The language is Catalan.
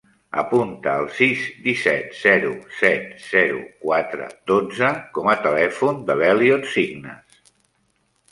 Apunta el sis, disset, zero, set, zero, quatre, dotze com a telèfon de l'Elliot Signes.